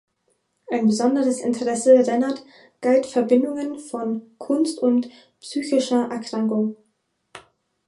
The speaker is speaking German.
Ein besonderes Interesse Rennert galt Verbindungen von Kunst und psychischer Erkrankung.